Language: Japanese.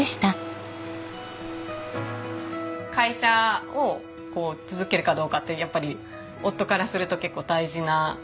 会社を続けるかどうかってやっぱり夫からすると結構大事な話なので。